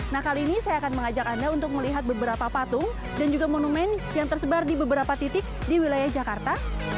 nah kali ini saya akan mengajak anda untuk melihat beberapa patung dan juga monumen yang tersebar di beberapa titik di wilayah jakarta